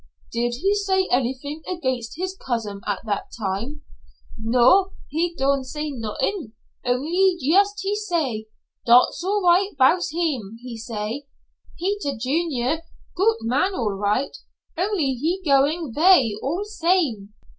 "Did he say anything against his cousin at that time?" "No, he don' say not'ing, only yust he say, 'dot's all right bouts heem,' he say, 'Peter Junior goot man all right, only he goin' vay all same.'"